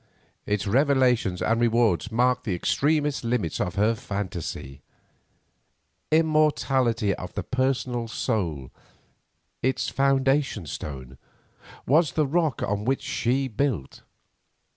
Its revelations and rewards marked the extremest limits of her fantasy; immortality of the personal soul, its foundation stone, was the rock on which she built.